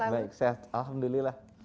baik baik sehat alhamdulillah